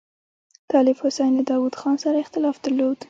طالب حسین له داوود خان سره اختلاف درلود.